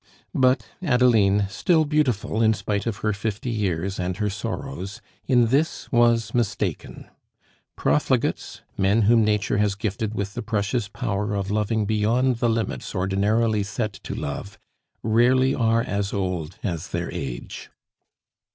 But Adeline, still beautiful in spite of her fifty years and her sorrows, in this was mistaken. Profligates, men whom Nature has gifted with the precious power of loving beyond the limits ordinarily set to love, rarely are as old as their age.